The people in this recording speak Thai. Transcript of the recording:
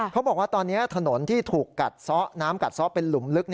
เขาบอกว่าตอนนี้ถนนที่ถูกกัดซ้อน้ำกัดซ้อเป็นหลุมลึก